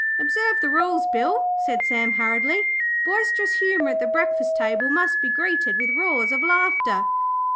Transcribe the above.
'Observe the rules, Bill,' said Sam hurriedly. 'Boisterous humour at the breakfast table must be greeted with roars of laughter.'